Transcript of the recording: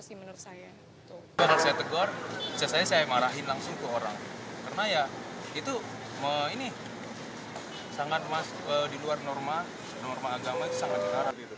kalau saya tegur saya marahin langsung ke orang karena itu sangat di luar norma norma agama itu sangat terhadap